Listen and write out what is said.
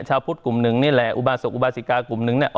ชาวพุทธกลุ่มหนึ่งนี่แหละอุบาสกอุบาสิกากลุ่มนึงเนี่ย